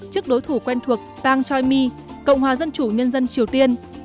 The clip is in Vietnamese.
trước đối thủ quen thuộc pang choi mi cộng hòa dân chủ nhân dân triều tiên